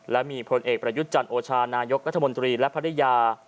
และมีผลเอกประยุทธ์จันทร์โอชานายกรัฐมนตรีและภรรยา